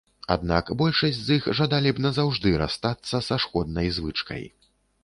Аднак большасць з іх жадалі б назаўжды расстацца са шкоднай звычкай.